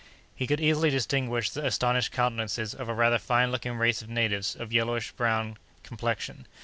He could easily distinguish the astonished countenances of a rather fine looking race of natives of yellowish brown complexion.